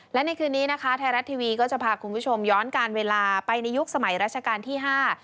และในคืนนี้นะคะไทยรัฐทีวีก็จะพาคุณผู้ชมย้อนการเวลาไปในยุคสมัยราชการที่ห้า